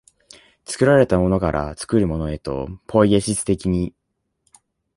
作られたものから作るものへと、ポイエシス的に、